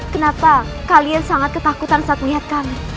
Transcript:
kenapa kalian sangat ketakutan saat melihat kami